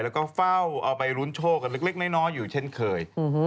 แล้วก็เฝ้าเอาไปลุ้นโชคกันเล็กน้อยอยู่เช่นเคย